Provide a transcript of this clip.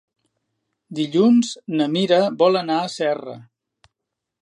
Dilluns na Mira vol anar a Serra.